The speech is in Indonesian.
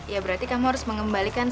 ya berarti kamu harus mengembalikan